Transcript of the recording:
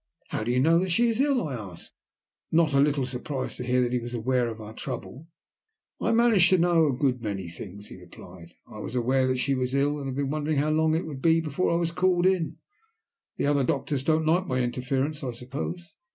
"How do you know that she is ill?" I asked, not a little surprised to hear that he was aware of our trouble. "I manage to know a good many things," he replied. "I was aware that she was ill, and have been wondering how long it would be before I was called in. The other doctors don't like my interference, I suppose?"